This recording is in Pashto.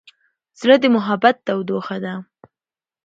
زړه د محبت تودوخه ده.